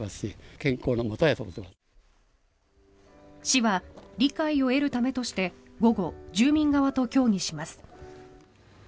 市は理解を得るためとして午後、住民側と協議します。